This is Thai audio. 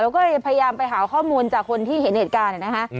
ก็เลยพยายามไปหาข้อมูลจากคนที่เห็นเหตุการณ์นะคะ